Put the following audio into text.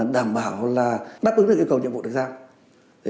đảm bảo là đáp ứng được yêu cầu nhiệm vụ được giao